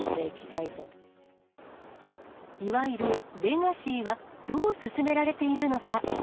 いわゆるレガシーは、どう進められているのか。